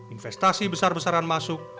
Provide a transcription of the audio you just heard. investasi besar besaran masuk